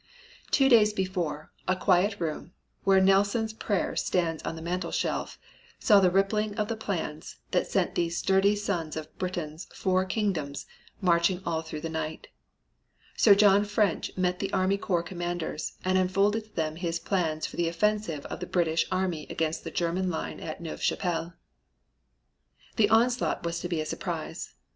"Two days before, a quiet room, where Nelson's Prayer stands on the mantel shelf, saw the ripening of the plans that sent these sturdy sons of Britain's four kingdoms marching all through the night. Sir John French met the army corps commanders and unfolded to them his plans for the offensive of the British army against the German line at Neuve Chapelle. "The onslaught was to be a surprise.